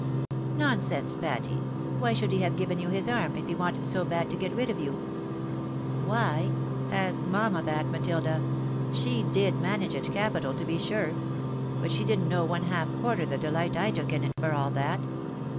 " Nonsense, Patty I why should he have given you his arm, if he wanted so bad to get rid of you ?" MISS patty's JIODE or EATING. 353 " Why ?— ask mamma that, Matilda. She did manage it capital, to be sure ! But she didn't know one half quarter the deUght I took in it for all that.